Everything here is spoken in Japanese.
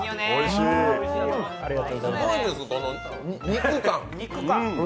すごいです、この肉感。